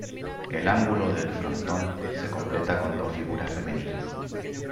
El ángulo del frontón se completa con dos figuras femeninas.